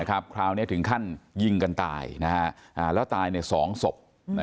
คราวนี้ถึงขั้นยิงกันตายแล้วตายใน๒ศพ